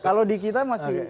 kalau di kita masih